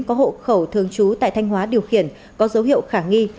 có hộ khẩu thường trú tại thanh hóa điều khiển có dấu hiệu khả nghi